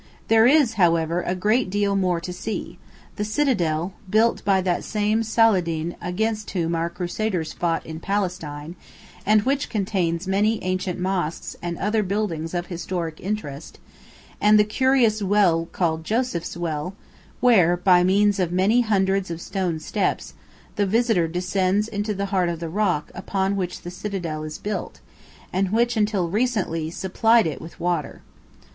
There is, however, a great deal more to see the citadel, built by that same Saladīn against whom our crusaders fought in Palestine, and which contains many ancient mosques and other buildings of historic interest, and the curious well called Joseph's Well, where, by means of many hundreds of stone steps, the visitor descends into the heart of the rock upon which the citadel is built, and which until recently supplied it with water.